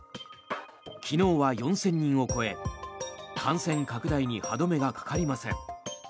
昨日は４０００人を超え感染拡大に歯止めがかかりません。